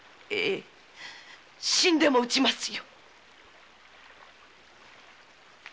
死んでも討ちますよ！